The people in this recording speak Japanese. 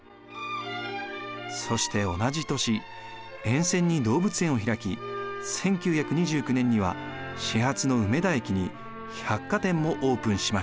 そして同じ年沿線に動物園を開き１９２９年には始発の梅田駅に百貨店もオープンしました。